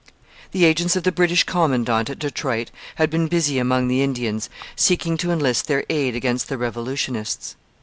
The agents of the British commandant at Detroit had been busy among the Indians seeking to enlist their aid against the revolutionists.